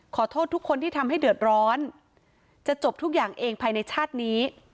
ขอโทษทุกคนที่ทำให้เดือดร้อนจะจบทุกอย่างเองภายในชาตินี้